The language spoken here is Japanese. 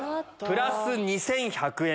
プラス２１００円です。